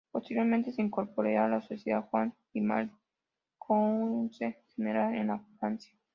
Posteriormente se incorporaría a la sociedad Juan Grimaldi, cónsul general en Francia.